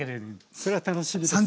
それは楽しみですね。